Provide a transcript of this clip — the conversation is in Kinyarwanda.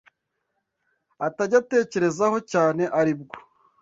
atajyaga atekerezaho cyane ari bwo